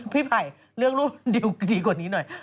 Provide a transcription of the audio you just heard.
พี่ภัยเหลือรูปดิวดีกว่านี้หน่อย